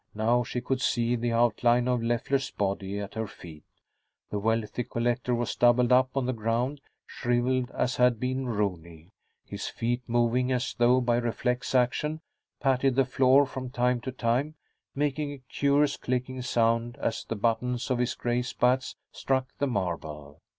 Now she could see the outline of Leffler's body at her feet. The wealthy collector was doubled up on the ground, shrivelled as had been Rooney. His feet, moving as though by reflex action, patted the floor from time to time, making a curious clicking sound as the buttons of his gray spats struck the marble.